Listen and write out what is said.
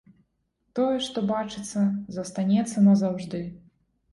Тое, што бачыцца, застанецца назаўжды.